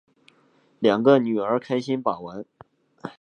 两个女儿开心把玩